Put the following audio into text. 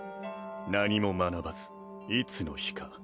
何も学ばずいつの日か